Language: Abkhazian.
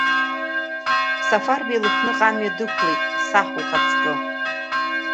Сафарбеи Лыхныҟа амҩа дықәлеит, саҳ ухаҵкы!